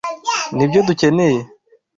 Nibyo dukeneye.